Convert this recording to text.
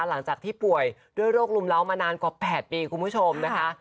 หลังจากที่ป่วยด้วยโรครุมเล้ามานานกว่า๘ปีคุณผู้ชมนะคะ